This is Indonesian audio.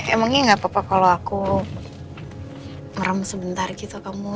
emangnya gak apa apa kalau aku ngeram sebentar gitu kamu